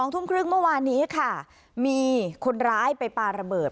ทุ่มครึ่งเมื่อวานนี้ค่ะมีคนร้ายไปปลาระเบิด